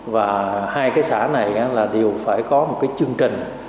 và hai cái xã này là đều phải có một cái chương trình